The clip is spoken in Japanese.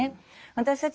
私たち